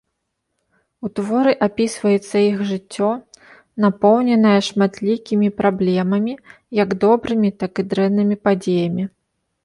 У творы апісваецца іх жыццё, напоўненая шматлікімі праблемамі, як добрымі, так і дрэннымі падзеямі.